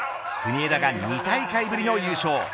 国枝が２大会ぶりの優勝。